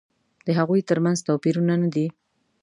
د هغوی تر منځ توپیرونه نه دي.